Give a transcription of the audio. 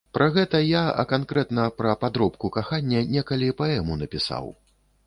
Пра гэта я, а канкрэтна пра падробку кахання, некалі паэму напісаў.